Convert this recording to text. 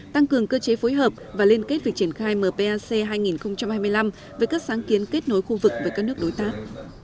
tăng cường cơ chế phối hợp và liên kết việc triển khai mpac hai nghìn hai mươi năm với các sáng kiến kết nối khu vực với các nước đối tác